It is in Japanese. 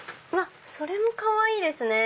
それもかわいいですね！